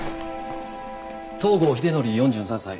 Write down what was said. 東郷英憲４３歳。